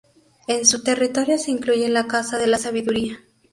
En su territorio se incluye la Casa de la sabiduría.